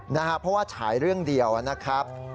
เพราะว่าฉายเรื่องเดียวนะครับ